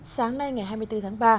sáng nay ngày hai mươi bốn tháng ba